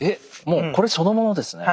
もうこれそのものですね。